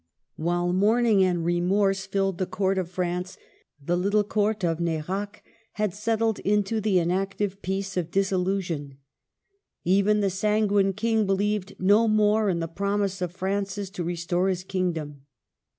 While mourning and remorse filled the Court of France, the little Court of Nerac had settled into the inactive peace of disillusion. Even the sanguine King believed no more in the promise of Francis to restore his kingdom.